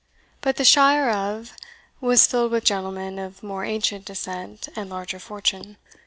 But the shire of was filled with gentlemen of more ancient descent and larger fortune.